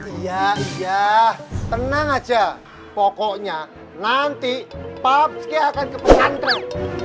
iya iya tenang aja pokoknya nanti papski akan ke pesantren